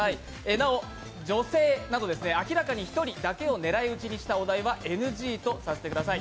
なお、女性など明らかに１人だけを狙い撃ちにしたお題はＮＧとさせてください。